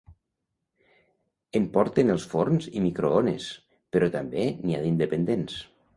En porten els forns i microones, però també n'hi ha d'independents.